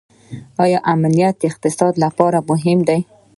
آیا امنیت د اقتصاد لپاره مهم دی؟